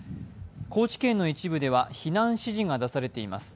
高知県の一部では避難指示が出されています。